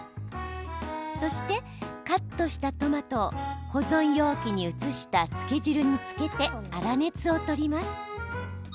そして、カットしたトマトを保存容器に移したつけ汁に漬けて粗熱を取ります。